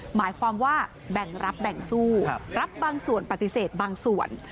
หมายความว่าแบ่งรับแบ่งสู้รับบางส่วนปฏิเสธบางส่วน